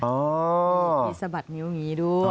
มีพี่สะบัดนิ้วอย่างนี้ด้วย